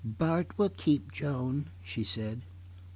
"Bart will keep Joan," she said.